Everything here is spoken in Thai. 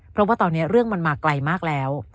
เพราะว่าตอนนี้เรื่องมันมาไกลมากแล้ว